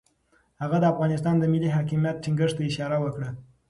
هغه د افغانستان د ملي حاکمیت ټینګښت ته اشاره وکړه.